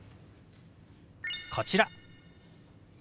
こちら。